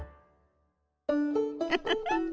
ウフフ。